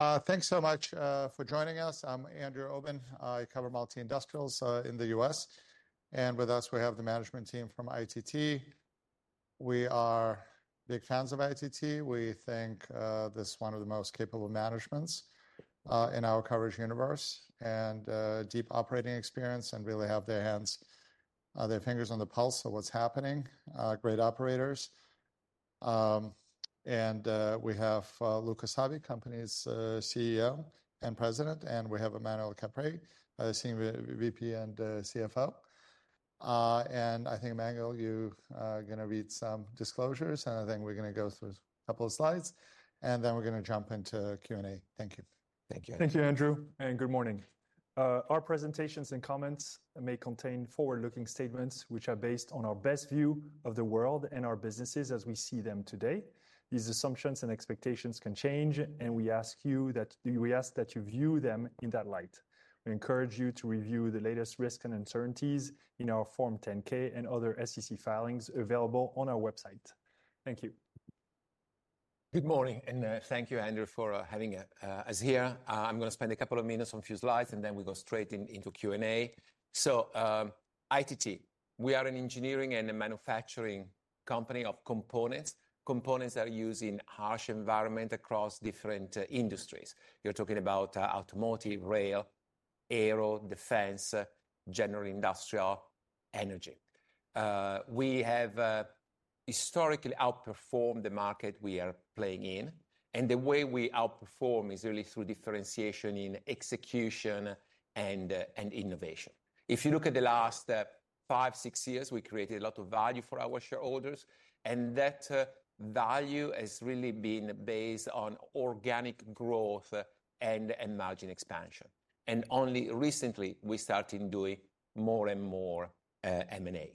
Thanks so much for joining us. I'm Andrew Obin. I cover multi-industrials in the U.S. With us, we have the management team from ITT. We are big fans of ITT. We think this is one of the most capable managements in our coverage universe and deep operating experience and really have their hands, their fingers on the pulse of what's happening. Great operators. We have Luca Savi, company's CEO and President, and we have Emmanuel Caprais, Senior VP and CFO. I think, Emmanuel, you're going to read some disclosures, and I think we're going to go through a couple of slides, and then we're going to jump into Q&A. Thank you. Thank you. Thank you, Andrew. Good morning. Our presentations and comments may contain forward-looking statements which are based on our best view of the world and our businesses as we see them today. These assumptions and expectations can change, and we ask that you view them in that light. We encourage you to review the latest risks and uncertainties in our Form 10-K and other SEC filings available on our website. Thank you. Good morning, and thank you, Andrew, for having us here. I'm going to spend a couple of minutes on a few slides, and then we go straight into Q&A. ITT, we are an engineering and a manufacturing company of components, components that are used in harsh environments across different industries. You're talking about automotive, rail, aero, defense, general industrial, energy. We have historically outperformed the market we are playing in, and the way we outperform is really through differentiation in execution and innovation. If you look at the last five, six years, we created a lot of value for our shareholders, and that value has really been based on organic growth and margin expansion. Only recently, we started doing more and more M&A.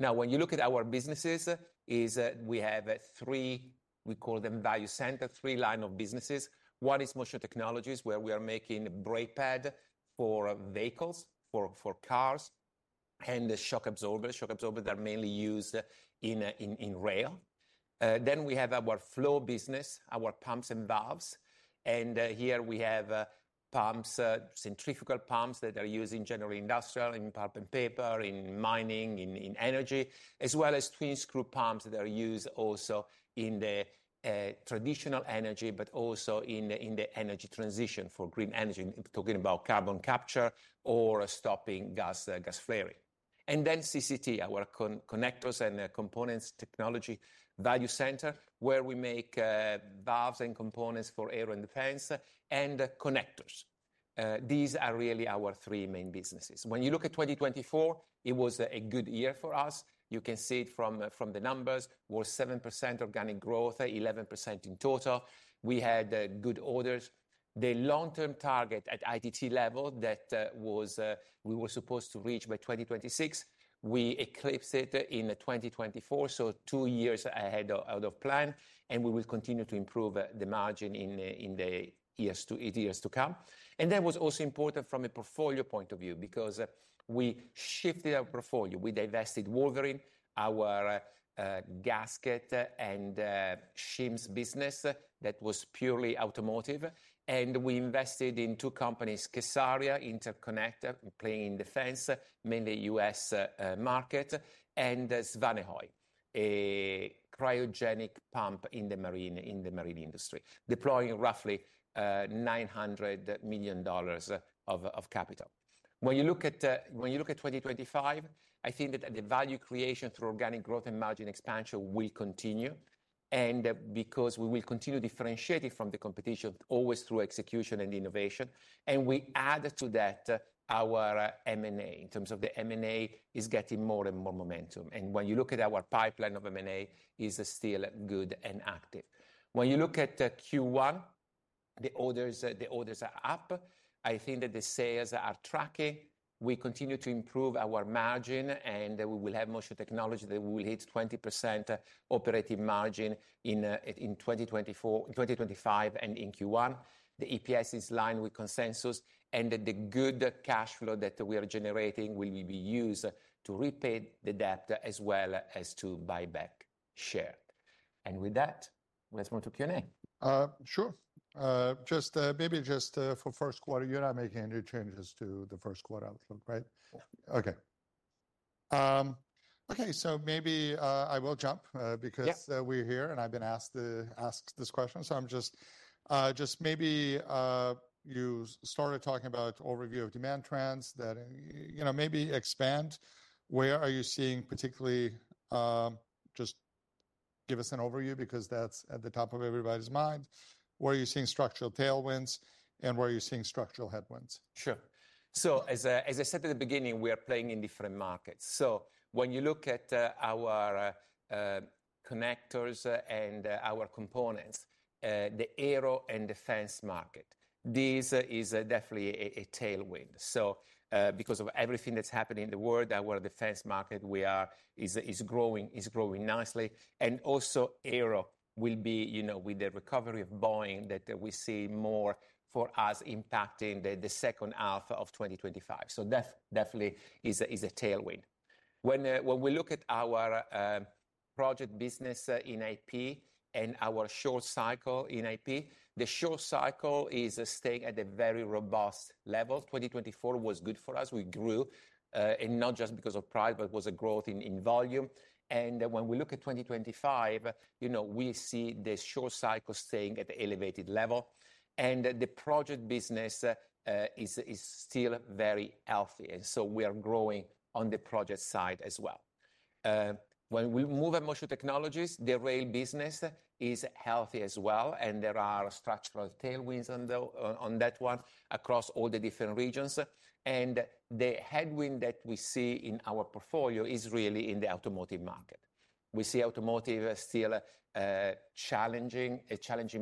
Now, when you look at our businesses, we have three, we call them value center, three lines of businesses. One is Motion Technologies, where we are making brake pads for vehicles, for cars, and shock absorbers. Shock absorbers that are mainly used in rail. We have our flow business, our pumps and valves. Here we have pumps, centrifugal pumps that are used in general industrial, in pulp and paper, in mining, in energy, as well as twin screw pumps that are used also in the traditional energy, but also in the energy transition for green energy, talking about carbon capture or stopping gas flaring. CCT, our connectors and components technology value center, where we make valves and components for air and defense and connectors. These are really our three main businesses. When you look at 2024, it was a good year for us. You can see it from the numbers. We're 7% organic growth, 11% in total. We had good orders. The long-term target at ITT level that we were supposed to reach by 2026, we eclipsed it in 2024, two years ahead of plan, and we will continue to improve the margin in the years to come. That was also important from a portfolio point of view because we shifted our portfolio. We divested Wolverine, our gasket and shims business that was purely automotive, and we invested in two companies, kSARIA Interconnect playing in defense, mainly U.S. market, and Svanehøj, a cryogenic pump in the marine industry, deploying roughly $900 million of capital. When you look at 2025, I think that the value creation through organic growth and margin expansion will continue, because we will continue differentiating from the competition always through execution and innovation, and we add to that our M&A in terms of the M&A is getting more and more momentum. When you look at our pipeline of M&A, it is still good and active. When you look at Q1, the orders are up. I think that the sales are tracking. We continue to improve our margin, and we will have Motion Technology that will hit 20% operating margin in 2024, 2025, and in Q1. The EPS is lined with consensus, and the good cash flow that we are generating will be used to repay the debt as well as to buy back share. With that, let's move to Q&A. Sure. Just maybe just for first quarter, you're not making any changes to the first quarter outlook, right? Okay. Okay, maybe I will jump because we're here and I've been asked this question. I'm just maybe you started talking about overview of demand trends that maybe expand. Where are you seeing particularly just give us an overview because that's at the top of everybody's mind. Where are you seeing structural tailwinds and where are you seeing structural headwinds? Sure. As I said at the beginning, we are playing in different markets. When you look at our connectors and our components, the aero and defense market, this is definitely a tailwind. Because of everything that's happening in the world, our defense market is growing nicely. Also, aero will be, with the recovery of Boeing, that we see more for us impacting the second half of 2025. That definitely is a tailwind. When we look at our project business in IP and our short cycle in IP, the short cycle is staying at a very robust level. 2024 was good for us. We grew, and not just because of price, but it was a growth in volume. When we look at 2025, we see the short cycle staying at an elevated level. The project business is still very healthy. We are growing on the project side as well. When we move at Motion Technologies, the rail business is healthy as well. There are structural tailwinds on that one across all the different regions. The headwind that we see in our portfolio is really in the automotive market. We see automotive still a challenging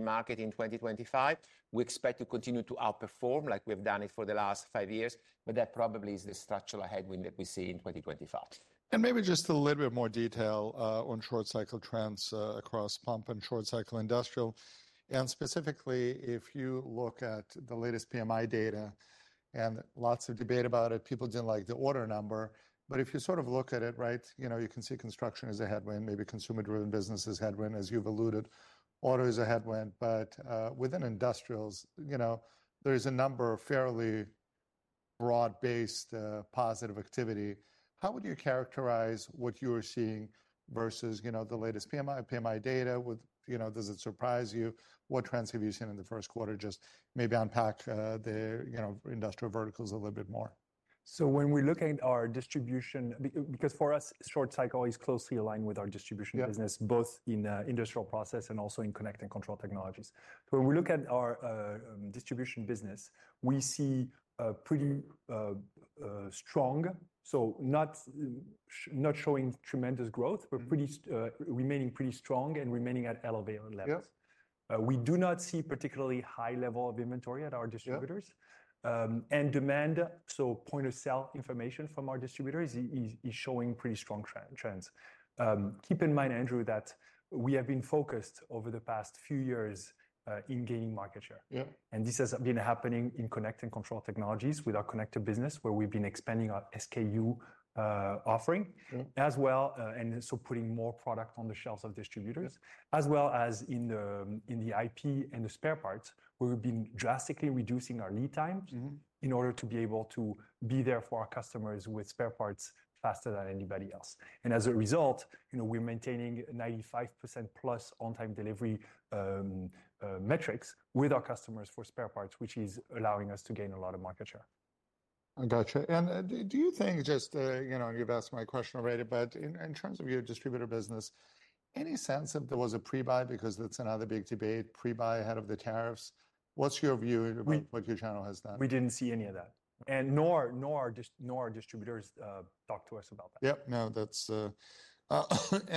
market in 2025. We expect to continue to outperform like we've done it for the last five years, but that probably is the structural headwind that we see in 2025. Maybe just a little bit more detail on short cycle trends across pump and short cycle industrial. Specifically, if you look at the latest PMI data and lots of debate about it, people did not like the order number. If you sort of look at it, right, you can see construction is a headwind, maybe consumer-driven business is a headwind, as you have alluded. Auto is a headwind, but within industrials, there is a number of fairly broad-based positive activity. How would you characterize what you are seeing versus the latest PMI data? Does it surprise you? What trends have you seen in the first quarter? Just maybe unpack the industrial verticals a little bit more. When we look at our distribution, because for us, short cycle is closely aligned with our distribution business, both in industrial process and also in Connect & Control Technologies. When we look at our distribution business, we see pretty strong, not showing tremendous growth, but remaining pretty strong and remaining at elevated levels. We do not see particularly high level of inventory at our distributors. Demand, so point of sale information from our distributors is showing pretty strong trends. Keep in mind, Andrew, that we have been focused over the past few years in gaining market share. This has been happening in Connect & Control Technologies with our connector business, where we've been expanding our SKU offering as well, and so putting more product on the shelves of distributors, as well as in the IP and the spare parts, where we've been drastically reducing our lead times in order to be able to be there for our customers with spare parts faster than anybody else. As a result, we're maintaining 95%+ on-time delivery metrics with our customers for spare parts, which is allowing us to gain a lot of market share. I gotcha. Do you think just, you've asked my question already, but in terms of your distributor business, any sense if there was a pre-buy because that's another big debate, pre-buy ahead of the tariffs? What's your view of what your channel has done? We did not see any of that. Nor did distributors talk to us about that. Yep. No, that's.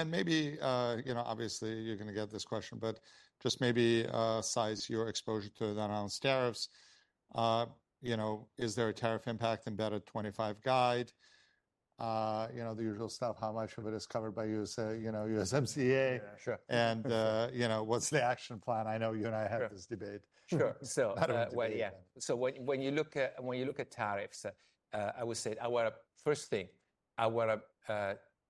Maybe, obviously, you're going to get this question, but just maybe size your exposure to the announced tariffs. Is there a tariff impact embedded 25 guide? The usual stuff, how much of it is covered by USMCA? What's the action plan? I know you and I had this debate. Sure. When you look at tariffs, I would say our first thing, our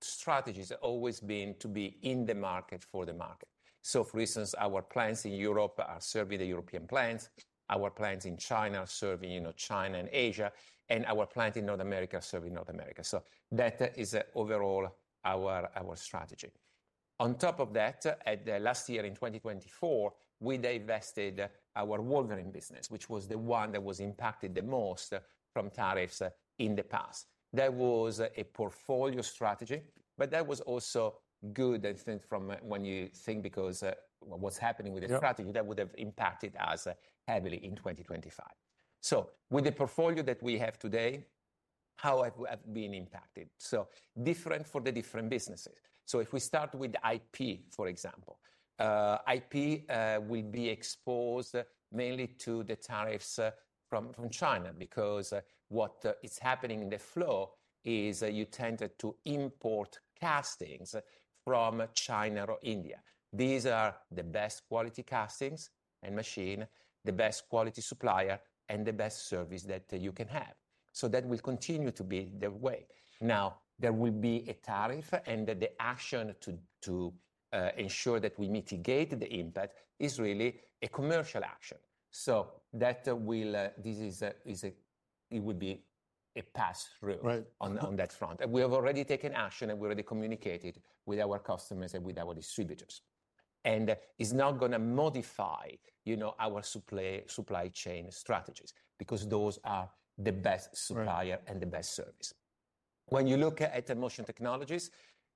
strategy has always been to be in the market for the market. For instance, our plants in Europe are serving the European plants. Our plants in China are serving China and Asia, and our plant in North America is serving North America. That is overall our strategy. On top of that, last year in 2024, we divested our Wolverine business, which was the one that was impacted the most from tariffs in the past. That was a portfolio strategy, but that was also good, I think, because when you think about what's happening with the strategy, that would have impacted us heavily in 2025. With the portfolio that we have today, how have we been impacted? Different for the different businesses. If we start with IP, for example, IP will be exposed mainly to the tariffs from China because what is happening in the flow is you tend to import castings from China or India. These are the best quality castings and machine, the best quality supplier, and the best service that you can have. That will continue to be the way. Now, there will be a tariff, and the action to ensure that we mitigate the impact is really a commercial action. That will, this is, it will be a pass through on that front. We have already taken action, and we already communicated with our customers and with our distributors. It is not going to modify our supply chain strategies because those are the best supplier and the best service. When you look at Motion Technologies,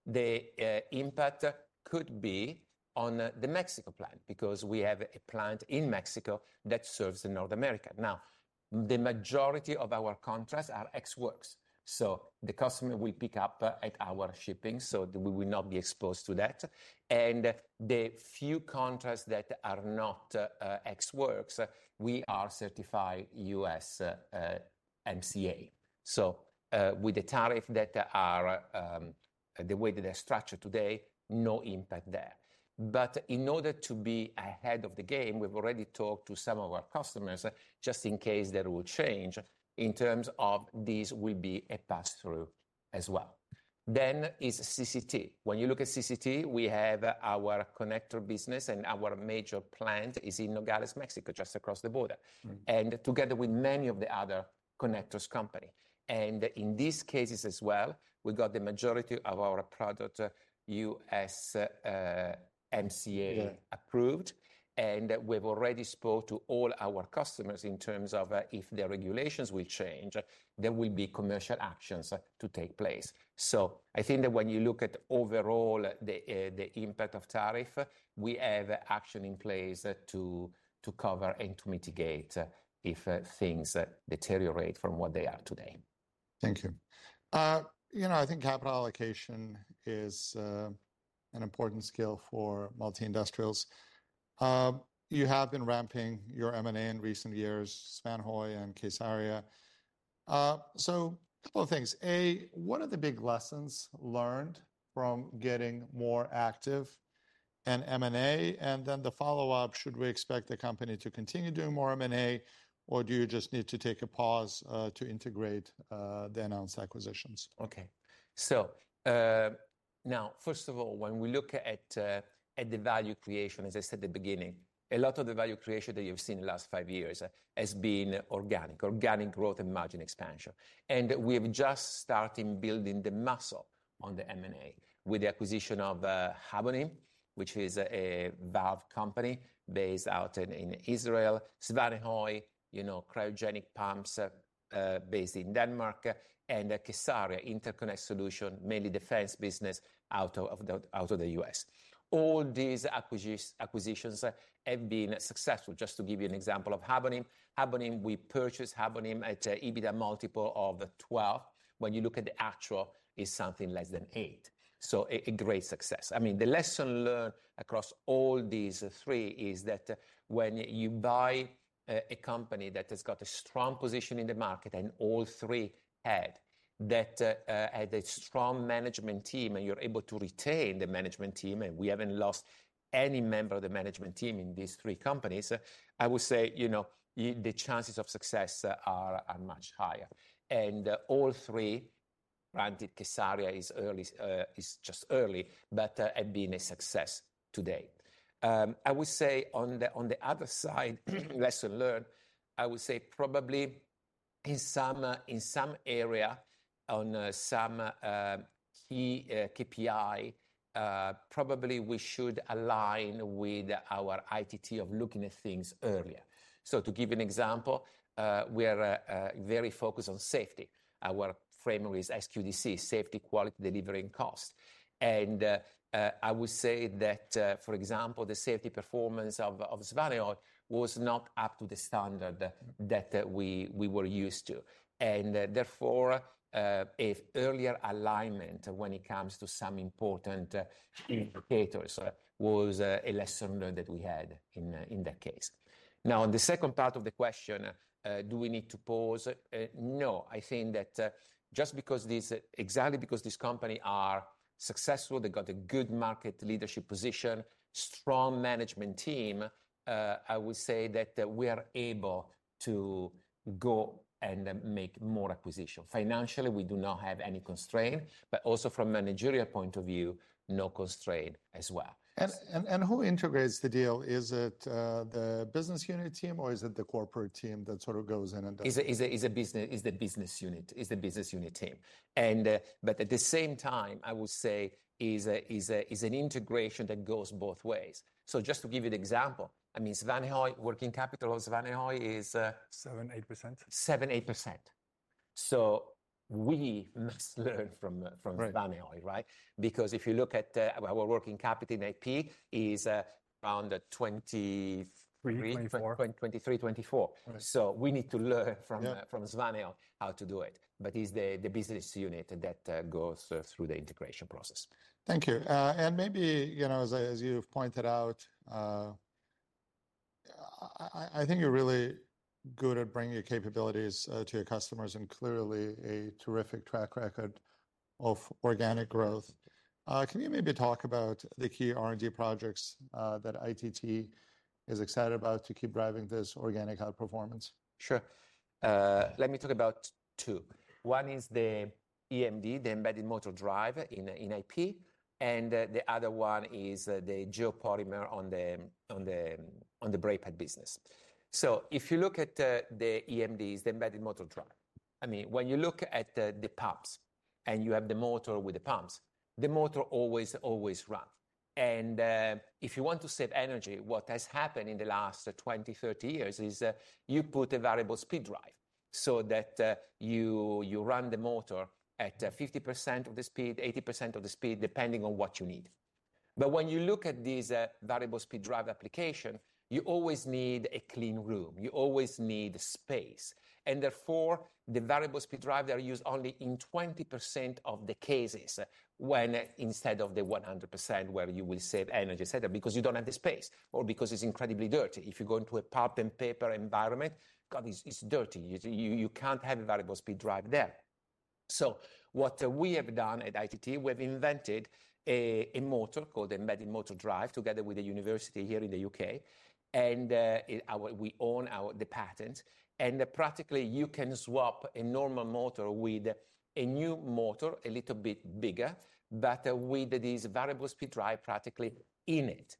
the impact could be on the Mexico plant because we have a plant in Mexico that serves in North America. Now, the majority of our contracts are ex-works. The customer will pick up at our shipping, so we will not be exposed to that. The few contracts that are not ex-works, we are certified USMCA. With the tariff that are the way that they're structured today, no impact there. In order to be ahead of the game, we've already talked to some of our customers just in case that will change in terms of this will be a pass through as well. CCT, when you look at CCT, we have our connector business, and our major plant is in Nogales, Mexico, just across the border, and together with many of the other connectors company. In these cases as well, we got the majority of our product USMCA approved, and we've already spoke to all our customers in terms of if the regulations will change, there will be commercial actions to take place. I think that when you look at overall the impact of tariff, we have action in place to cover and to mitigate if things deteriorate from what they are today. Thank you. You know, I think capital allocation is an important skill for multi-industrials. You have been ramping your M&A in recent years, Svanehøj and kSARIA. A, what are the big lessons learned from getting more active in M&A? The follow-up, should we expect the company to continue doing more M&A, or do you just need to take a pause to integrate the announced acquisitions? Okay. First of all, when we look at the value creation, as I said at the beginning, a lot of the value creation that you've seen in the last five years has been organic, organic growth and margin expansion. We have just started building the muscle on the M&A with the acquisition of Habonim, which is a valve company based out in Israel, Svanehøj, cryogenic pumps based in Denmark, and kSARIA Interconnect, mainly defense business out of the U.S. All these acquisitions have been successful. Just to give you an example of Habonim, we purchased Habonim at an EBITDA multiple of 12. When you look at the actual, it's something less than 8. A great success. I mean, the lesson learned across all these three is that when you buy a company that has got a strong position in the market and all three had that, had a strong management team and you're able to retain the management team, and we haven't lost any member of the management team in these three companies, I would say the chances of success are much higher. All three, granted kSARIA is just early, but have been a success today. I would say on the other side, lesson learned, I would say probably in some area on some key KPI, probably we should align with our ITT of looking at things earlier. To give you an example, we are very focused on safety. Our framework is SQDC, Safety, Quality, Delivery, and Cost. I would say that, for example, the safety performance of Svanehøj was not up to the standard that we were used to. Therefore, earlier alignment when it comes to some important indicators was a lesson learned that we had in that case. Now, on the second part of the question, do we need to pause? No, I think that just because these, exactly because these companies are successful, they got a good market leadership position, strong management team, I would say that we are able to go and make more acquisitions. Financially, we do not have any constraint, but also from a managerial point of view, no constraint as well. Who integrates the deal? Is it the business unit team or is it the corporate team that sort of goes in and does? It's the business unit. It's the business unit team. At the same time, I would say it's an integration that goes both ways. Just to give you an example, I mean, Svanehøj, working capital of Svanehøj is. 7%, 8%? 7%, 8%. We must learn from Svanehøj, right? Because if you look at our working capital in IP, it is around 23, 24. We need to learn from Svanehøj how to do it. It is the business unit that goes through the integration process. Thank you. Maybe, as you've pointed out, I think you're really good at bringing your capabilities to your customers and clearly a terrific track record of organic growth. Can you maybe talk about the key R&D projects that ITT is excited about to keep driving this organic outperformance? Sure. Let me talk about two. One is the EMD, the embedded motor drive in IP. The other one is the geopolymer on the brake pad business. If you look at the EMDs, the embedded motor drive, I mean, when you look at the pumps and you have the motor with the pumps, the motor always, always run. If you want to save energy, what has happened in the last 20, 30 years is you put a variable speed drive so that you run the motor at 50% of the speed, 80% of the speed, depending on what you need. When you look at these variable speed drive applications, you always need a clean room. You always need space. Therefore, the variable speed drive that are used only in 20% of the cases when instead of the 100% where you will save energy, et cetera, because you do not have the space or because it is incredibly dirty. If you go into a pulp and paper environment, God, it is dirty. You cannot have a variable speed drive there. What we have done at ITT, we have invented a motor called the embedded motor drive together with the university here in the U.K. We own the patents. Practically, you can swap a normal motor with a new motor, a little bit bigger, but with this variable speed drive practically in it.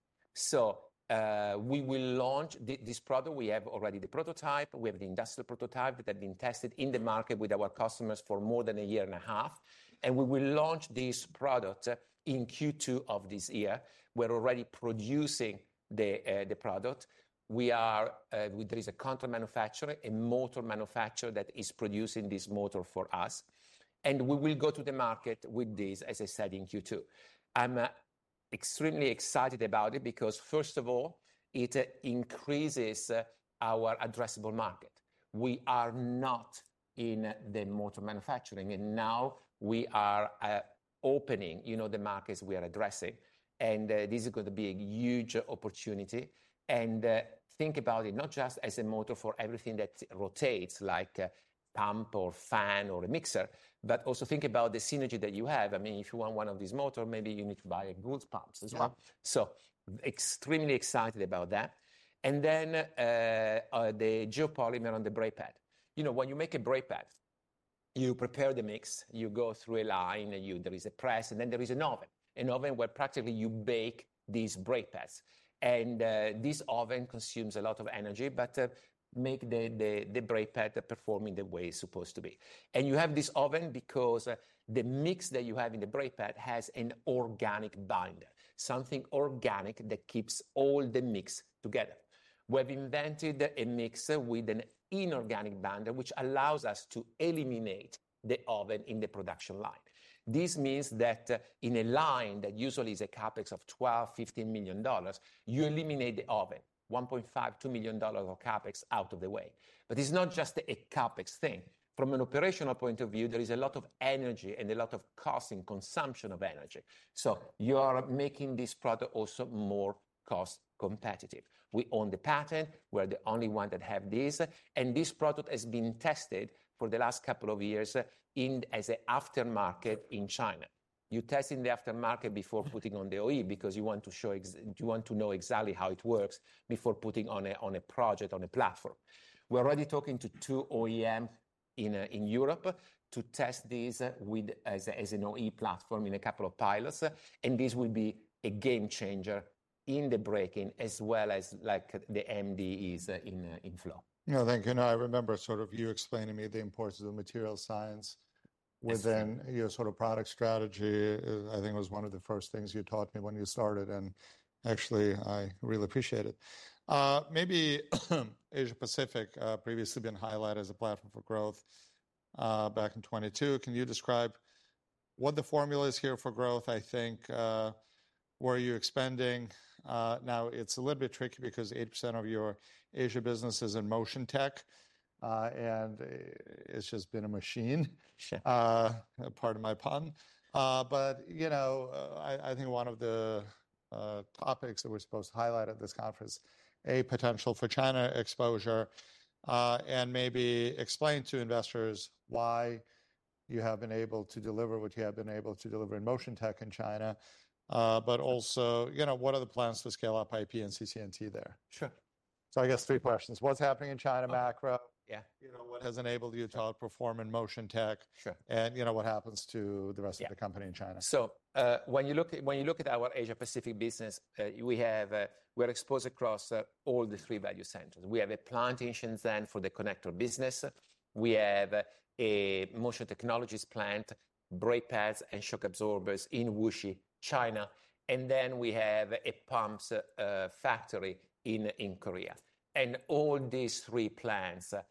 We will launch this product. We already have the prototype. We have the industrial prototype that has been tested in the market with our customers for more than a year and a half. We will launch this product in Q2 of this year. We're already producing the product. There is a contract manufacturer, a motor manufacturer that is producing this motor for us. We will go to the market with this, as I said, in Q2. I'm extremely excited about it because, first of all, it increases our addressable market. We are not in the motor manufacturing. Now we are opening the markets we are addressing. This is going to be a huge opportunity. Think about it not just as a motor for everything that rotates, like pump or fan or a mixer, but also think about the synergy that you have. I mean, if you want one of these motors, maybe you need to buy a Goulds Pumps as well. Extremely excited about that. Then the geopolymer on the brake pad. You know, when you make a brake pad, you prepare the mix, you go through a line, there is a press, and then there is an oven, an oven where practically you bake these brake pads. This oven consumes a lot of energy, but makes the brake pad perform the way it's supposed to be. You have this oven because the mix that you have in the brake pad has an organic binder, something organic that keeps all the mix together. We have invented a mix with an inorganic binder, which allows us to eliminate the oven in the production line. This means that in a line that usually is a CapEx of $12-$15 million, you eliminate the oven, $1.5-$2 million of CapEx out of the way. It is not just a CapEx thing. From an operational point of view, there is a lot of energy and a lot of cost and consumption of energy. You are making this product also more cost competitive. We own the patent. We are the only one that have this. This product has been tested for the last couple of years as an aftermarket in China. You test in the aftermarket before putting on the OE because you want to show, you want to know exactly how it works before putting on a project, on a platform. We're already talking to two OEMs in Europe to test these as an OE platform in a couple of pilots. This will be a game changer in the braking as well as like the MD is in flow. Yeah, thank you. I remember sort of you explaining to me the importance of the material science within your sort of product strategy. I think it was one of the first things you taught me when you started. I actually really appreciate it. Maybe Asia Pacific previously had been highlighted as a platform for growth back in 2022. Can you describe what the formula is here for growth? I think where are you expanding? Now, it's a little bit tricky because 80% of your Asia business is in Motion Technologies. And it's just been a machine, part of my pun. You know, I think one of the topics that we're supposed to highlight at this conference is the potential for China exposure, and maybe explain to investors why you have been able to deliver what you have been able to deliver in Motion Tech in China, but also what are the plans to scale up IP and CCT there? Sure. I guess three questions. What's happening in China macro? Yeah. You know, what has enabled you to outperform in motion tech? Sure. You know what happens to the rest of the company in China? When you look at our Asia Pacific business, we are exposed across all the three value centers. We have a plant in Shenzhen for the connector business. We have a motion technologies plant, brake pads and shock absorbers in Wuxi, China. We have a pumps factory in Korea. All these three plants are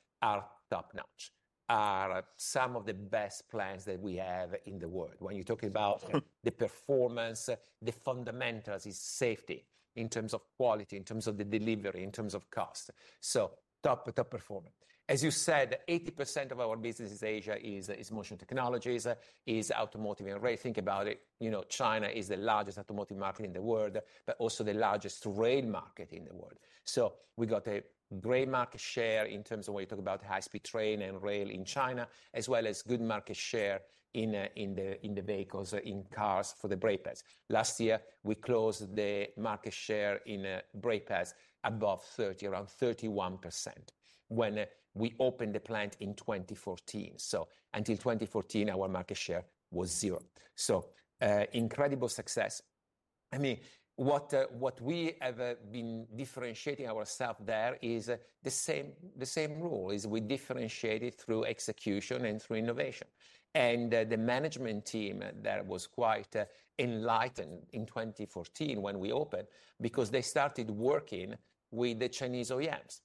top-notch, are some of the best plants that we have in the world. When you're talking about the performance, the fundamentals is safety in terms of quality, in terms of the delivery, in terms of cost. Top performance. As you said, 80% of our business in Asia is motion technologies, is automotive and rail. Think about it. China is the largest automotive market in the world, but also the largest rail market in the world. We got a great market share in terms of when you talk about high-speed train and rail in China, as well as good market share in the vehicles, in cars for the brake pads. Last year, we closed the market share in brake pads above 30%, around 31% when we opened the plant in 2014. Until 2014, our market share was zero. Incredible success. I mean, what we have been differentiating ourselves there is the same rule is we differentiate it through execution and through innovation. The management team there was quite enlightened in 2014 when we opened because they started working with the Chinese OEMs.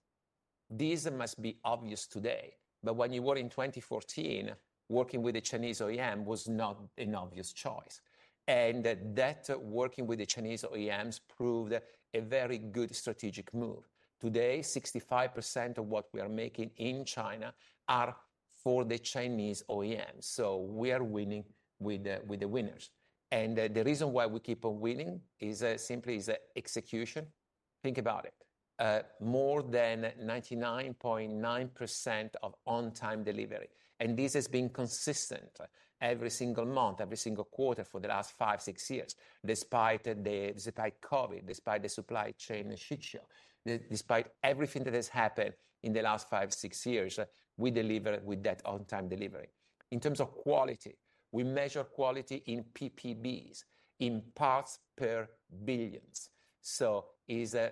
This must be obvious today. When you were in 2014, working with the Chinese OEM was not an obvious choice. That working with the Chinese OEMs proved a very good strategic move. Today, 65% of what we are making in China are for the Chinese OEMs. We are winning with the winners. The reason why we keep on winning is simply execution. Think about it. More than 99.9% of on-time delivery. This has been consistent every single month, every single quarter for the last five, six years, despite COVID, despite the supply chain and shit show, despite everything that has happened in the last five, six years, we delivered with that on-time delivery. In terms of quality, we measure quality in PPBs, in parts per billion. It is a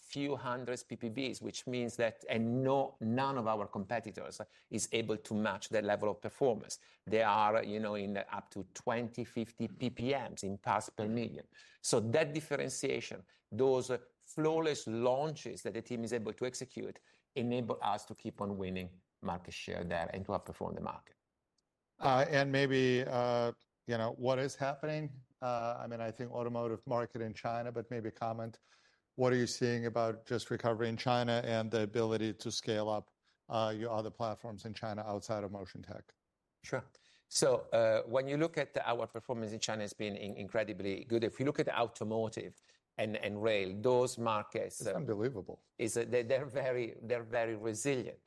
few hundreds PPBs, which means that none of our competitors is able to match the level of performance. They are in up to 20-50 PPMs in parts per million. That differentiation, those flawless launches that the team is able to execute, enable us to keep on winning market share there and to outperform the market. Maybe what is happening? I mean, I think automotive market in China, but maybe comment, what are you seeing about just recovery in China and the ability to scale up your other platforms in China outside of motion tech? Sure. When you look at our performance in China, it has been incredibly good. If you look at automotive and rail, those markets. It's unbelievable. They're very resilient.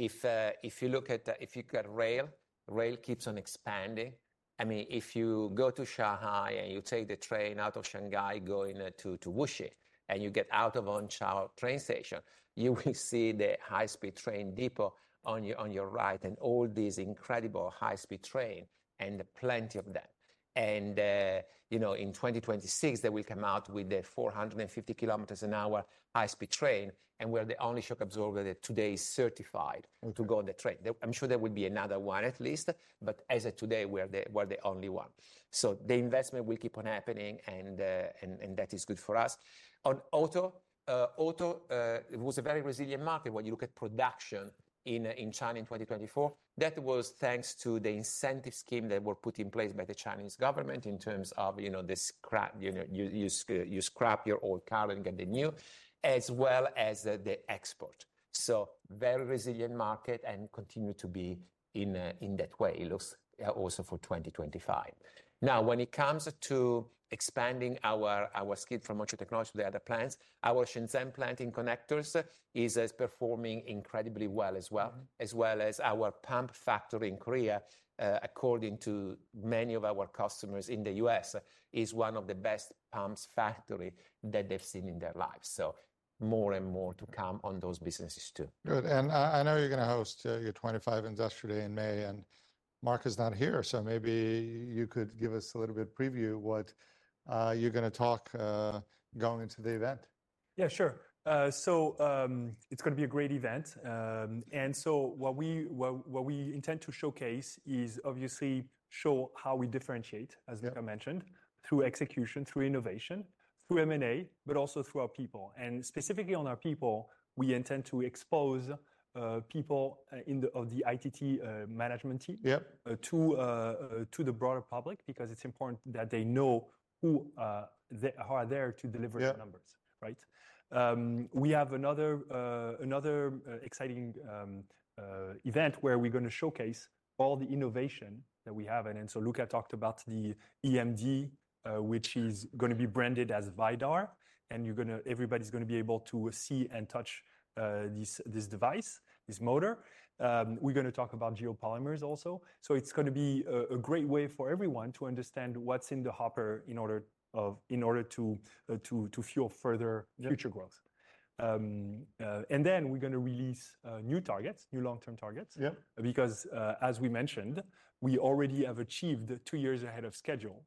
If you look at, if you get rail, rail keeps on expanding. I mean, if you go to Shanghai and you take the train out of Shanghai going to Wuxi and you get out of Kunshan train station, you will see the high-speed train depot on your right and all these incredible high-speed trains and plenty of them. In 2026, they will come out with the 450 kilometers an hour high-speed train. We're the only shock absorber that today is certified to go on the train. I'm sure there will be another one at least, but as of today, we're the only one. The investment will keep on happening. That is good for us. On auto, auto was a very resilient market. When you look at production in China in 2024, that was thanks to the incentive scheme that were put in place by the Chinese government in terms of you scrap your old car and get the new, as well as the export. Very resilient market and continue to be in that way. It looks also for 2025. Now, when it comes to expanding our skill from motion technology to the other plants, our Shenzhen plant in connectors is performing incredibly well as well, as well as our pump factory in Korea, according to many of our customers in the U.S., is one of the best pumps factory that they've seen in their lives. More and more to come on those businesses too. Good. I know you're going to host your 25th anniversary in May. Mark is not here. Maybe you could give us a little bit preview what you're going to talk going into the event. Yeah, sure. It's going to be a great event. What we intend to showcase is obviously show how we differentiate, as Luca mentioned, through execution, through innovation, through M&A, but also through our people. Specifically on our people, we intend to expose people of the ITT management team to the broader public because it's important that they know who are there to deliver their numbers, right? We have another exciting event where we're going to showcase all the innovation that we have. Luca talked about the EMD, which is going to be branded as ViDAR. Everybody's going to be able to see and touch this device, this motor. We're going to talk about geopolymer also. It's going to be a great way for everyone to understand what's in the hopper in order to fuel further future growth. We're going to release new targets, new long-term targets. Because as we mentioned, we already have achieved two years ahead of schedule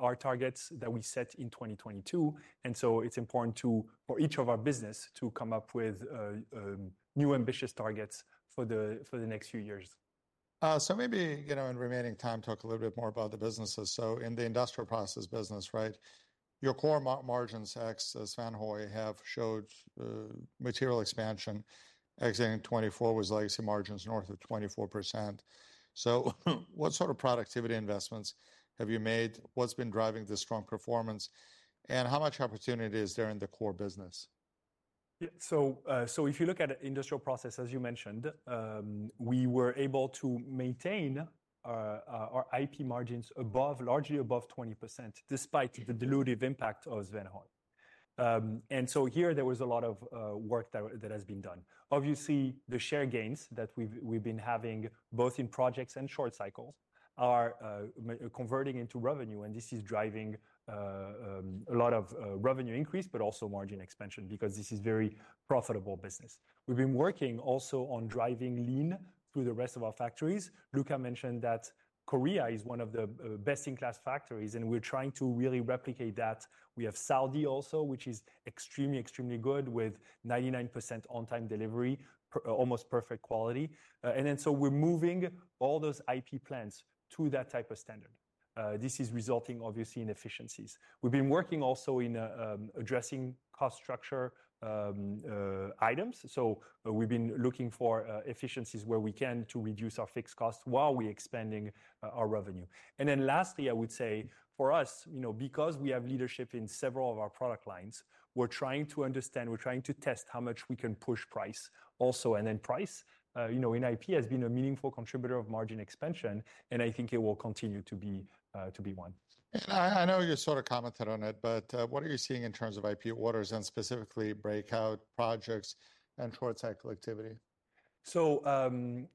our targets that we set in 2022. It is important for each of our business to come up with new ambitious targets for the next few years. Maybe in remaining time, talk a little bit more about the businesses. In the industrial process business, right? Your core margins, ex-Svanehøj, have showed material expansion. XA24 was legacy margins north of 24%. What sort of productivity investments have you made? What's been driving this strong performance? How much opportunity is there in the core business? If you look at industrial process, as you mentioned, we were able to maintain our IP margins largely above 20% despite the dilutive impact of Svanehøj. Here, there was a lot of work that has been done. Obviously, the share gains that we've been having both in projects and short cycles are converting into revenue. This is driving a lot of revenue increase, but also margin expansion because this is a very profitable business. We've been working also on driving lean through the rest of our factories. Luca mentioned that Korea is one of the best-in-class factories. We're trying to really replicate that. We have Saudi also, which is extremely, extremely good with 99% on-time delivery, almost perfect quality. We're moving all those IP plants to that type of standard. This is resulting, obviously, in efficiencies. We've been working also in addressing cost structure items. We've been looking for efficiencies where we can to reduce our fixed costs while we're expanding our revenue. Lastly, I would say for us, because we have leadership in several of our product lines, we're trying to understand, we're trying to test how much we can push price also. Price in IP has been a meaningful contributor of margin expansion. I think it will continue to be one. I know you sort of commented on it, but what are you seeing in terms of IP orders and specifically breakout projects and short-cycle activity?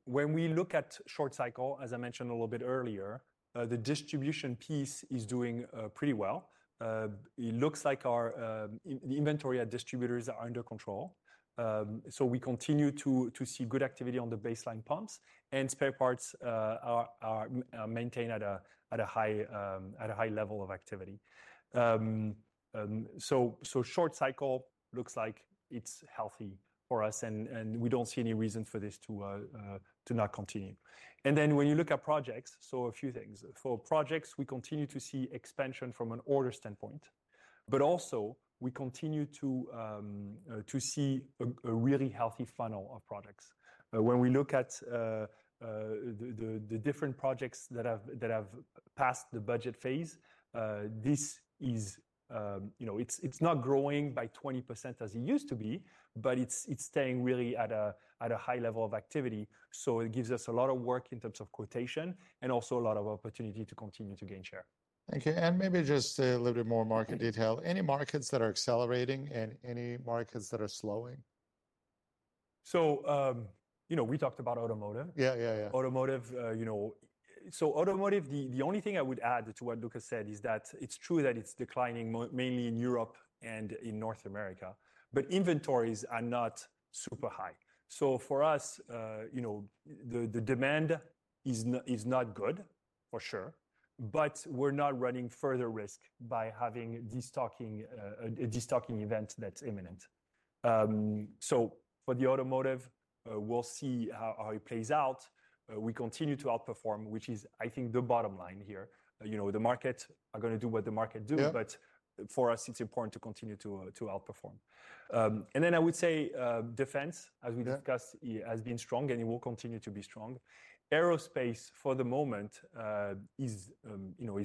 When we look at short cycle, as I mentioned a little bit earlier, the distribution piece is doing pretty well. It looks like the inventory at distributors are under control. We continue to see good activity on the baseline pumps. Spare parts are maintained at a high level of activity. Short cycle looks like it's healthy for us. We don't see any reason for this to not continue. When you look at projects, a few things. For projects, we continue to see expansion from an order standpoint. We continue to see a really healthy funnel of projects. When we look at the different projects that have passed the budget phase, this is not growing by 20% as it used to be, but it's staying really at a high level of activity. It gives us a lot of work in terms of quotation and also a lot of opportunity to continue to gain share. Thank you. Maybe just a little bit more market detail. Any markets that are accelerating and any markets that are slowing? We talked about automotive. Yeah, yeah. Automotive. The only thing I would add to what Luca said is that it's true that it's declining mainly in Europe and in North America. Inventories are not super high. For us, the demand is not good, for sure. We are not running further risk by having a destocking event that's imminent. For the automotive, we'll see how it plays out. We continue to outperform, which is, I think, the bottom line here. The markets are going to do what the markets do. For us, it's important to continue to outperform. I would say defense, as we discussed, has been strong and it will continue to be strong. Aerospace for the moment is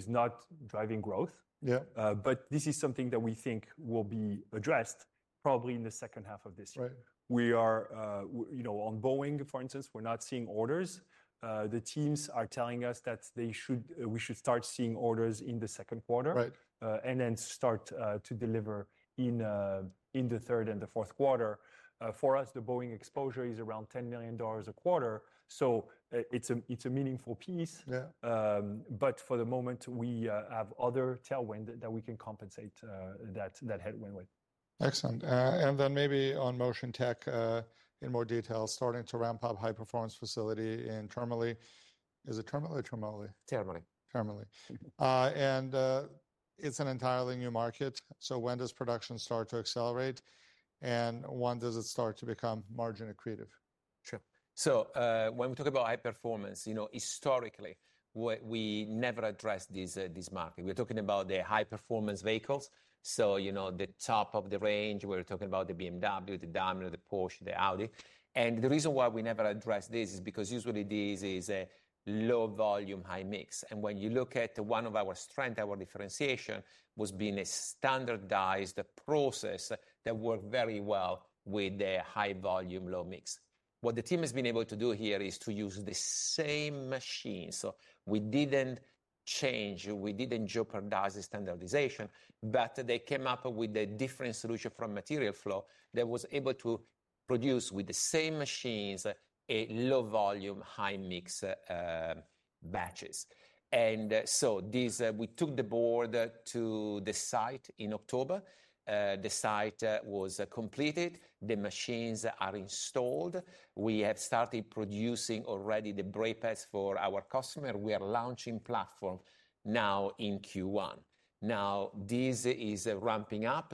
not driving growth. This is something that we think will be addressed probably in the second half of this year. We are on Boeing, for instance, we're not seeing orders. The teams are telling us that we should start seeing orders in the second quarter and then start to deliver in the third and the fourth quarter. For us, the Boeing exposure is around $10 million a quarter. It is a meaningful piece. For the moment, we have other tailwinds that we can compensate that headwind with. Excellent. Maybe on Motion Tech in more detail, starting to ramp up high-performance facility in Termoli. Is it Termoli or Termoli? Termoli. Termoli. It is an entirely new market. When does production start to accelerate? When does it start to become margin accretive? Sure. When we talk about high performance, historically, we never addressed this market. We're talking about the high-performance vehicles. The top of the range, we're talking about BMW, Daimler, Porsche, Audi. The reason why we never addressed this is because usually this is a low-volume, high mix. When you look at one of our strengths, our differentiation was being a standardized process that worked very well with the high-volume, low mix. What the team has been able to do here is to use the same machines. We did not change, we did not jeopardize the standardization, but they came up with a different solution from Material Flow that was able to produce with the same machines a low-volume, high-mix batches. We took the board to the site in October. The site was completed. The machines are installed. We have started producing already the brake pads for our customer. We are launching platform now in Q1. Now, this is ramping up.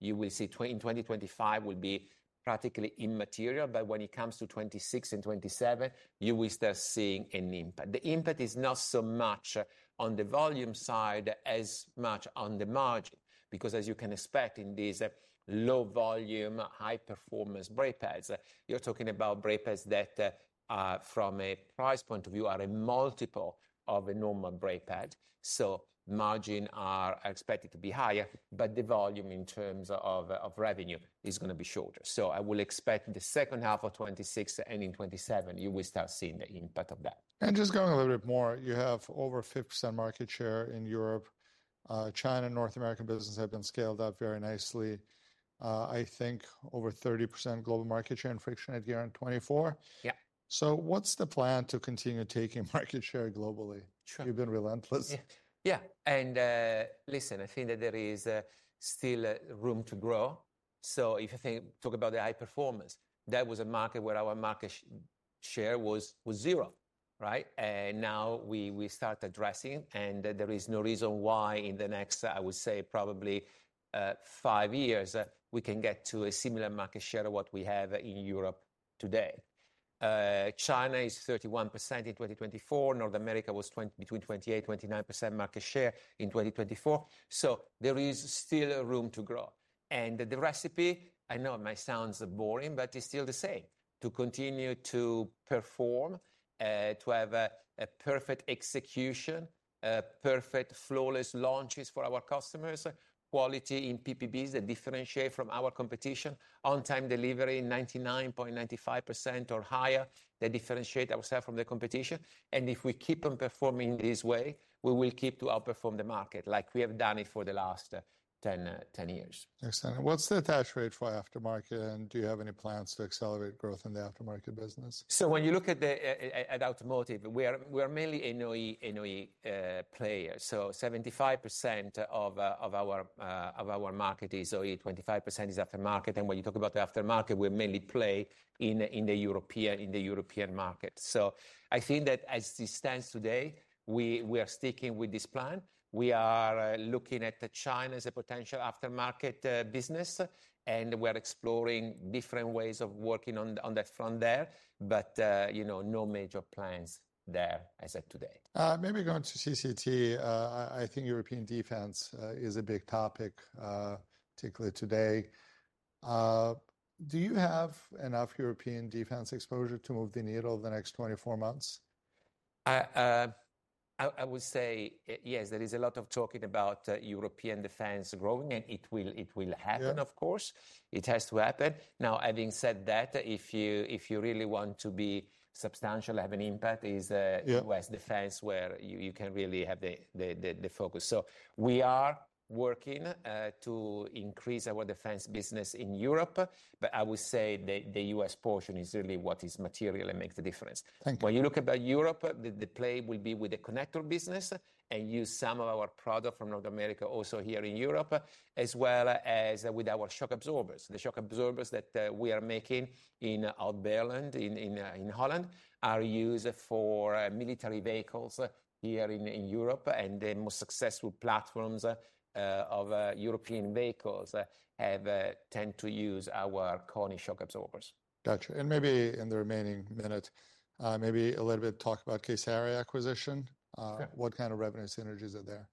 You will see in 2025 will be practically immaterial. When it comes to 2026 and 2027, you will start seeing an impact. The impact is not so much on the volume side as much on the margin. Because as you can expect in these low-volume, high-performance brake pads, you're talking about brake pads that from a price point of view are a multiple of a normal brake pad. Margin are expected to be higher, but the volume in terms of revenue is going to be shorter. I will expect the second half of 2026 and in 2027, you will start seeing the impact of that. Just going a little bit more, you have over 50% market share in Europe. China and North American business have been scaled up very nicely. I think over 30% global market share in friction at year end 2024. Yeah. What's the plan to continue taking market share globally? You've been relentless. Yeah. Listen, I think that there is still room to grow. If you talk about the high performance, that was a market where our market share was zero, right? Now we start addressing. There is no reason why in the next, I would say, probably five years, we can get to a similar market share of what we have in Europe today. China is 31% in 2024. North America was between 28% and 29% market share in 2024. There is still room to grow. The recipe, I know it might sound boring, but it's still the same. To continue to perform, to have a perfect execution, perfect flawless launches for our customers, quality in PPBs that differentiate from our competition, on-time delivery 99.95% or higher, that differentiate ourselves from the competition. If we keep on performing this way, we will keep to outperform the market like we have done it for the last 10 years. Excellent. What's the attach rate for aftermarket? Do you have any plans to accelerate growth in the aftermarket business? When you look at automotive, we are mainly OE players. Seventy-five percent of our market is OE, 25% is aftermarket. When you talk about the aftermarket, we mainly play in the European market. I think that as it stands today, we are sticking with this plan. We are looking at China as a potential aftermarket business. We are exploring different ways of working on that front there. No major plans there as of today. Maybe going to CCT, I think European defense is a big topic, particularly today. Do you have enough European defense exposure to move the needle the next 24 months? I would say, yes, there is a lot of talking about European defense growing. It will happen, of course. It has to happen. Now, having said that, if you really want to be substantial, have an impact, it is U.S. defense where you can really have the focus. We are working to increase our defense business in Europe. I would say the U.S. portion is really what is material and makes the difference. Thank you. When you look at Europe, the play will be with the connector business and use some of our product from North America also here in Europe, as well as with our shock absorbers. The shock absorbers that we are making in Holland are used for military vehicles here in Europe. The most successful platforms of European vehicles tend to use our KONI shock absorbers. Gotcha. Maybe in the remaining minute, maybe a little bit talk about kSARIA acquisition. What kind of revenue synergies are there?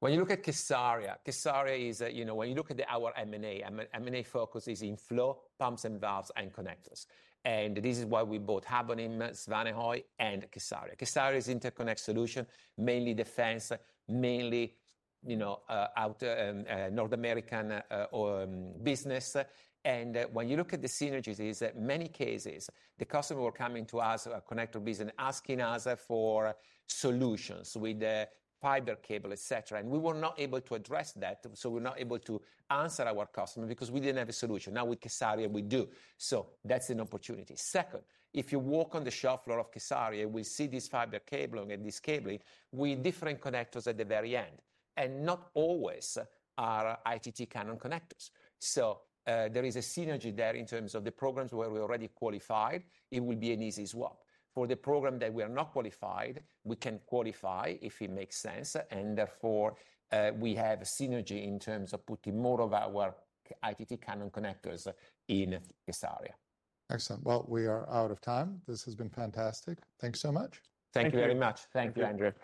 When you look at kSARIA, kSARIA is, when you look at our M&A, M&A focus is in flow, pumps, and valves and connectors. This is why we bought Habonim, Svanehøj, and kSARIA. kSARIA is an interconnect solution, mainly defense, mainly North American business. When you look at the synergies, in many cases, the customer were coming to us, our connector business, asking us for solutions with fiber cable, et cetera. We were not able to address that. We were not able to answer our customer because we did not have a solution. Now with kSARIA, we do. That is an opportunity. Second, if you walk on the shop floor of kSARIA, you will see this fiber cabling and this cabling with different connectors at the very end. Not always our ITT Cannon connectors. There is a synergy there in terms of the programs where we're already qualified. It will be an easy swap. For the program that we are not qualified, we can qualify if it makes sense. Therefore, we have a synergy in terms of putting more of our ITT Cannon connectors in kSARIA. Excellent. We are out of time. This has been fantastic. Thanks so much. Thank you very much. Thank you, Andrew.